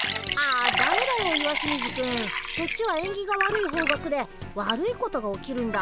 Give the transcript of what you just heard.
そっちはえんぎが悪い方角で悪いことが起きるんだ。